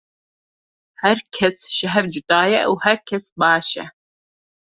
Her kes ji hev cuda ye û her kes baş e.